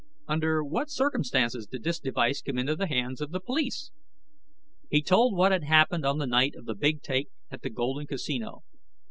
"Under what circumstances did this device come into the hands of the police?" He told what had happened on the night of the big take at the Golden Casino.